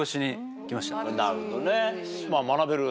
なるほどね。